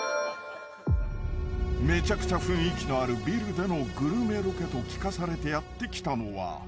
［めちゃくちゃ雰囲気のあるビルでのグルメロケと聞かされてやって来たのは］